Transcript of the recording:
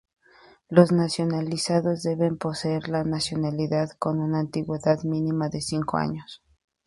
Los nacionalizados deben poseer la nacionalidad con una antigüedad mínima de cinco años.